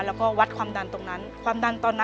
เปลี่ยนเพลงเพลงเก่งของคุณและข้ามผิดได้๑คำ